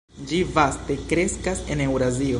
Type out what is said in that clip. Ĝi vaste kreskas en Eŭrazio.